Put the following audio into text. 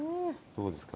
どうですか？